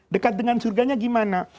dekat dengan surganya bagaimana